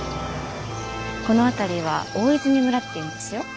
この辺りは大泉村っていうんですよ。